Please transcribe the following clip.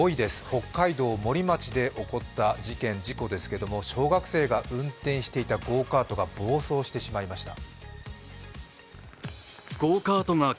北海道森町で起こった事故ですけど小学生が運転していたゴーカートが暴走してしまいました。